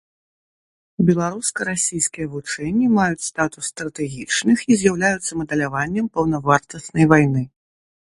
Беларуска-расійскія вучэнні маюць статус стратэгічных і з'яўляюцца мадэляваннем паўнавартаснай вайны.